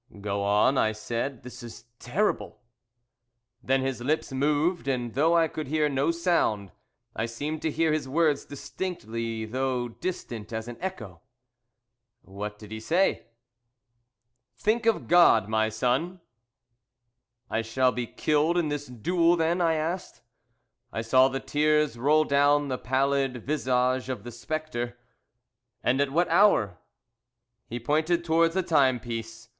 "Go on," I said; "this is terrible!" "Then his lips moved, and, though I could hear no sound, I seemed to hear his words distinctly, though distant as an echo." "What did he say?" "'Think of God, my son!' "'I shall be killed in this duel, then?' I asked. "I saw the tears roll down the pallid visage of the spectre. "'And at what hour?' "He pointed towards the timepiece.